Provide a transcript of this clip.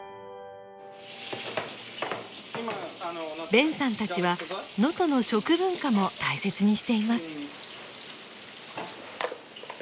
ベンさんたちは能登の食文化も大切にしています。